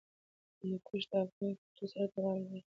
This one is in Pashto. هندوکش د افغان کلتور سره تړاو لري.